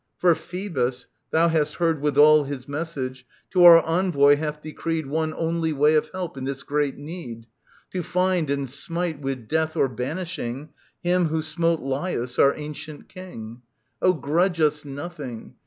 For Phoebus — thou hast heard withal His message — to our envoy hath decreed One only way of help in this great need : To find and smite with death or banishing, Him who smote Laius, our ancient King. Oh, grudge us nothing